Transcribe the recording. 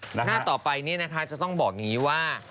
หน้าต่อไปเนี่ยนะฮะจะต้องบอกงี้ว่า